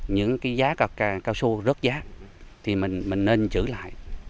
những cái giá cao su rớt giá thì mình nên chữ lại